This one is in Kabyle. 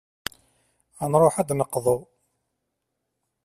Ad nruḥ ad d-neqḍu.